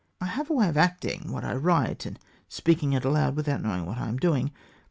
I have a way of acting what I write, and speaking it aloud without knowing what I am doing.